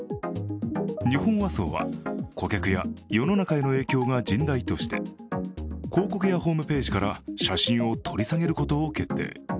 日本和装は顧客や世の中への影響が甚大として、広告やホームページから写真を取り下げることを決定。